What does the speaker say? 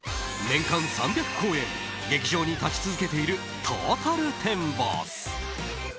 年間３００公演劇場に立ち続けているトータルテンボス。